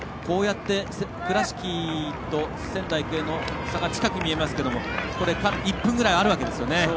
倉敷と仙台育英の差が近く見えますが１分ぐらいあるわけですね。